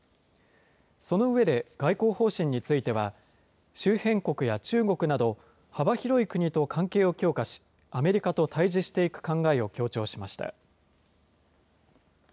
その上で外交方針については、周辺国や中国など、幅広い国と関係を強化し、アメリカと対じしていく考えを強調しました。